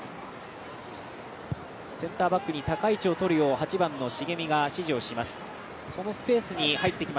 センターバックに高い位置をとるよう、重見が指示をします。